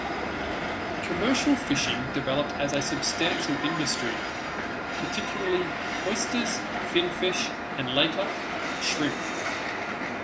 Commercial fishing developed as a substantial industry, particularly oysters, finfish, and later, shrimp.